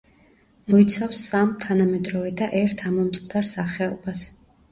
მოიცავს სამ თანამედროვე და ერთ ამომწყდარ სახეობას.